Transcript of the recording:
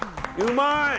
うまい！